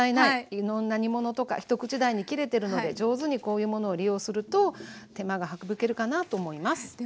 いろんな煮物とか一口大に切れてるので上手にこういうものを利用すると手間が省けるかなと思います。